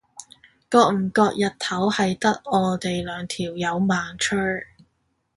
覺唔覺日頭係得我哋兩條友猛吹？